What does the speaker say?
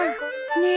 ねえ